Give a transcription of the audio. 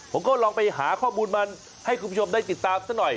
ผมก็ลองไปหาข้อมูลมาให้คุณผู้ชมได้ติดตามซะหน่อย